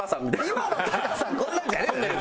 今の貴さんこんなんじゃねえよ